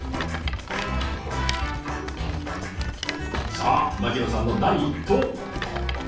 さあ槙野さんの第１投。